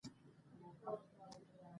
که ویش وي نو کار نه درندیږي.